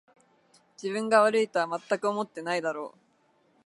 自分が悪いとはまったく思ってないだろう